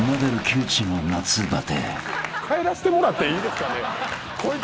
帰らせてもらっていいですかね？